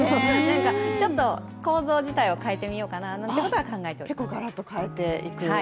ちょっと構造自体を変えてみようかななんてことは考えています。